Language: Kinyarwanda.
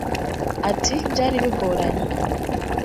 Ati “Byari bigoranye